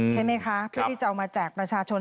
ใช่ไหมคะเพื่อที่จะเอามาจากประชาชน